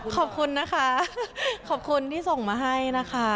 ขอบคุณนะคะขอบคุณที่ส่งมาให้นะคะ